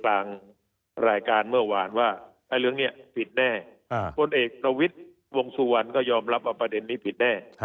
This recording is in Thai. กลางรายการเมื่อวานว่าเรื่องนี้ผิดแน่พลเอกประวิทย์วงสุวรรณก็ยอมรับว่าประเด็นนี้ผิดแน่